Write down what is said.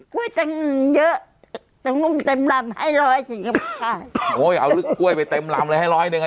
กล้วยเยอะต้องลงเต็มลำให้ร้อยโอ้ยเอาลึกกล้วยไปเต็มลำเลยให้ร้อยหนึ่ง